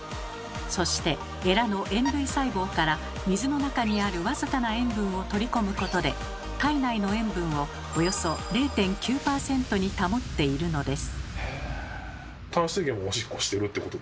そしてエラの塩類細胞から水の中にある僅かな塩分を取り込むことで体内の塩分をおよそ０．９％に保っているのです。